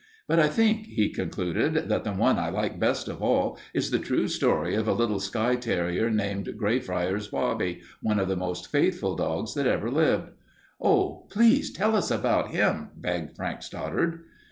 "But I think," he concluded, "that the one I like best of all is the true story of a little Skye terrier named Greyfriars Bobby, one of the most faithful dogs that ever lived." "Oh, please tell us about him," begged Frank Stoddard.